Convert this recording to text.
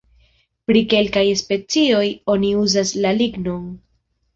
Pri kelkaj specioj oni uzas la lignon.